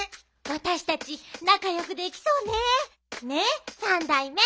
「わたしたちなかよくできそうねねえ三代目」。